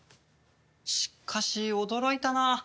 しかし驚いたな。